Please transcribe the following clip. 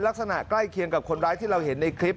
ลักษณะใกล้เคียงกับคนร้ายที่เราเห็นในคลิป